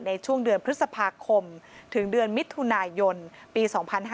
ในช่วงเดือนพฤษภาคมถึงเดือนมิถุนายนปี๒๕๕๙